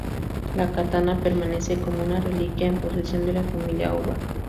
La katana permanece como una reliquia en posesión de la familia Ōba.